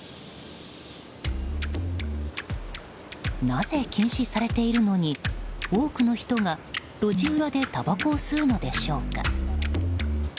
なぜ禁止されているのに多くの人が路地裏でたばこを吸うのでしょうか。